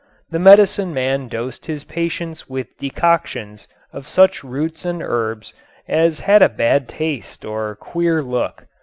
The medicine man dosed his patients with decoctions of such roots and herbs as had a bad taste or queer look.